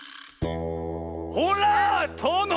ほらとの！